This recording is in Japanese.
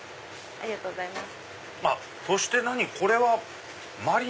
ありがとうございます。